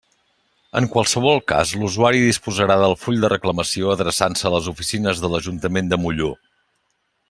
En qualsevol cas l'usuari disposarà del full de reclamació adreçant-se a les oficines de l'Ajuntament de Molló.